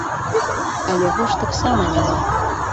А яго ж таксама няма.